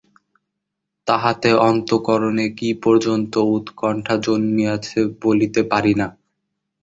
তাহাতে অন্তঃকরণে কী পর্যন্ত উৎকণ্ঠা জন্মিয়াছে বলিতে পারি না।